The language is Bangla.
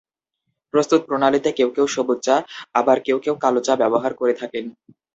প্রস্তুত প্রণালীতে কেউ কেউ সবুজ চা, আবার কেউ কেউ কালো চা ব্যবহার করে থাকেন।